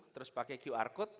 terus pakai qr code